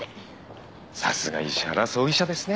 さすが石原葬儀社ですね。